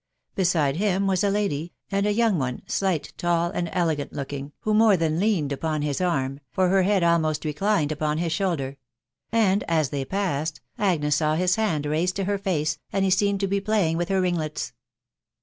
Beside him was a hdjTj and a young one, slight, tall, and elegant looking, who 140 THB WIDOW BJLRNABT. more than leaned upon his arm, for her head almost reclined upon his shoulder ; and, aa they passed, Agnea saw hit hand raised to her face, and he seemed to he playing with her ringlets.